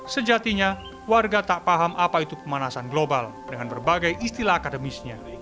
sejatinya warga tak paham apa itu pemanasan global dengan berbagai istilah akademisnya